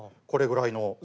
これぐらいの。